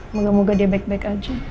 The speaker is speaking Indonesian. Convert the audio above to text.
moga moga dia baik baik aja